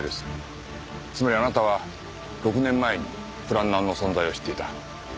つまりあなたは６年前にプランナーの存在を知っていた。